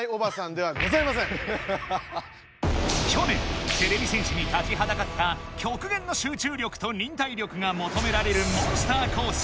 去年てれび戦士に立ちはだかったきょくげんの集中力と忍耐力がもとめられるモンスターコース